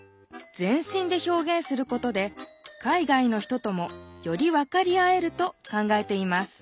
全身で表現することで海外の人ともより分かり合えると考えています